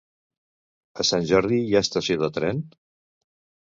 A Sant Jordi hi ha estació de tren?